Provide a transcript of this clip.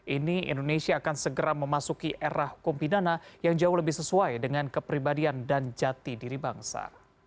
ini indonesia akan segera memasuki era kompidana yang jauh lebih sesuai dengan kepribadian dan jati diri bangsa